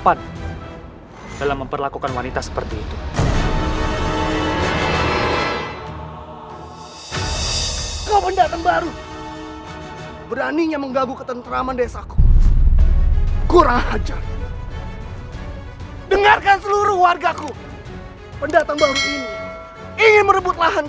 itu bukannya buruan yang baru saja diumumkan